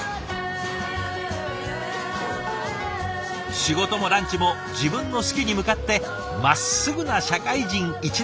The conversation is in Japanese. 仕事もランチも自分の好きに向かってまっすぐな社会人１年生。